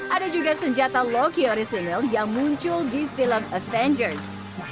ada juga senjata loki orisinil yang muncul di film avengers